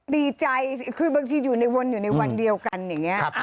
ดีใจคือบางทีอยู่ในวันเดียวกันอย่างนี้